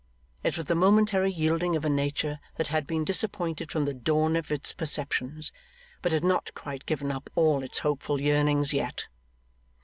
It was the momentary yielding of a nature that had been disappointed from the dawn of its perceptions, but had not quite given up all its hopeful yearnings yet.